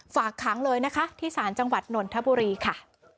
ฝากขังเลยนะคะที่ศาลจังหวัดนนทบุรีค่ะ